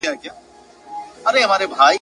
دا شعر د مشاعرې ترټولو ښه شعر بللی دی ..